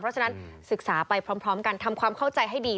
เพราะฉะนั้นศึกษาไปพร้อมกันทำความเข้าใจให้ดี